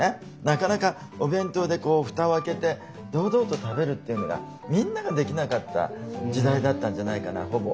なかなかお弁当でこう蓋を開けて堂々と食べるっていうのがみんなができなかった時代だったんじゃないかなほぼ。